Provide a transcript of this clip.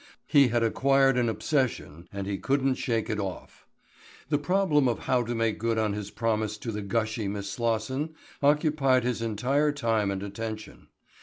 He had acquired an obsession and he couldn't shake it off. The problem of how to make good on his promise to the gushy Miss Slosson occupied his entire time and attention.